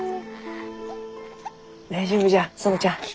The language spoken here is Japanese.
大丈夫じゃ園ちゃん。